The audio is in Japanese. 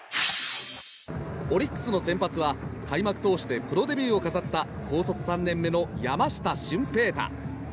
オリックスの先発は開幕投手でプロデビューを飾った高卒３年目の山下舜平大。